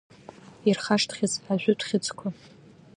Ирхашҭхьаз ажәытә хьыӡқәа.